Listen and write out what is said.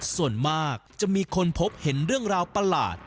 ส่วนมากจะมีคนพบเห็นเรื่องราวประหลาด